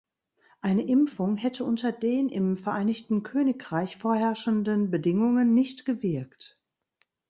Eine Impfung hätte unter den im Vereinigten Königreich vorherrschenden Bedingungen nicht gewirkt.